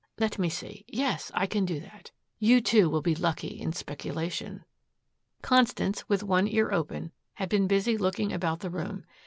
Let me see yes, I can do that. You too will be lucky in speculation." Constance, with one ear open, had been busy looking about the room.